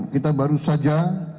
kita baru saja